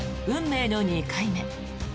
運命の２回目。